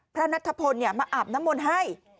พระนัทธพลเนี่ยมาอาบน้ำมนต์ให้